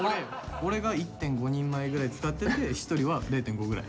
俺が１．５人前ぐらい使ってて１人は０．５ぐらい。